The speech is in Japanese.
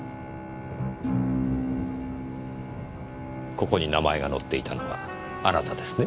ここに名前が載っていたのはあなたですね？